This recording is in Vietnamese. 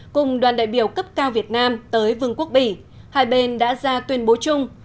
cùng đoàn đại biểu cấp cao việt nam tới vương quốc bỉ hai bên đã ra tuyên bố chung